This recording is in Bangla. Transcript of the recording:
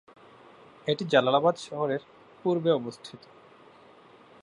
এটি জালালাবাদ শহরের পূর্বে অবস্থিত।